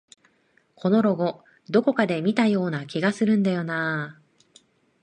このロゴ、どこかで見たような気がするんだよなあ